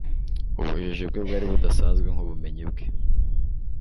ubujiji bwe bwari budasanzwe nk'ubumenyi bwe